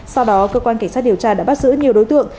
sau đó cơ quan cảnh sát điều tra đã bắt giữ nhiều đối tượng